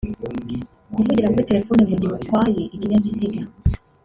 kuvugira kuri telefoni mu gihe utwaye ikinyabiziga